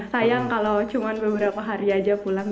sayang kalau cuma beberapa hari aja pulang